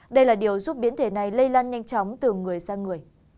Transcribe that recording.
đây là điều giúp biến thể này lây lan nhanh chóng từ người sang người